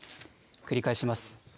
繰り返します。